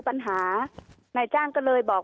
เจ้าหน้าที่แรงงานของไต้หวันบอก